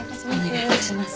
お願い致します。